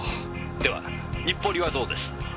「では日暮里はどうです？」